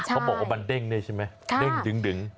เขาบอกว่ามันเด้งนี่ใช่ไหมเด้งดึง